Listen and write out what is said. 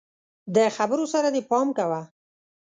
د خبرو سره دي پام کوه!